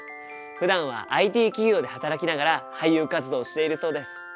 ふだんはＩＴ企業で働きながら俳優活動をしているそうです。